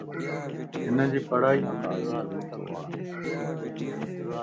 ھن جي ڀيڙائي؟